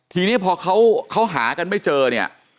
ทีนี้พอเขาหากันไม่เจอเนี่ย